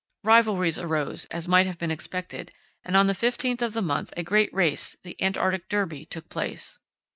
Rivalries arose, as might have been expected, and on the 15th of the month a great race, the "Antarctic Derby," took place.